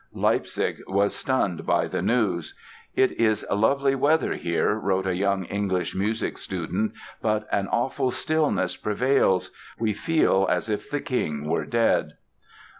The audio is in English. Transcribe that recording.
Leipzig was stunned by the news. "It is lovely weather here", wrote a young English music student, "but an awful stillness prevails; we feel as if the king were dead...."